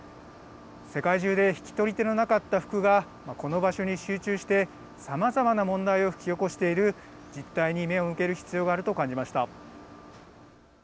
世界中で引き取り手のなかった服がこの場所に集中してさまざまな問題を引き起こしている実態に目を向ける必要があると感じました。